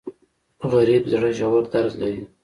غریب د زړه ژور درد لري